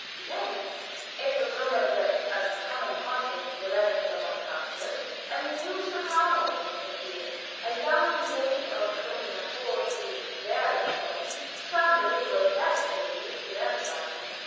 Then it was rumored that at the coming concert the benefit of von Francius a new soprano was to appear a young lady of whom report used varied tones; some believable facts at least we learned about her.